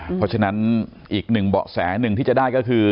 เพราะฉะนั้นอีกหนึ่งเบาะแสหนึ่งที่จะได้ก็คือ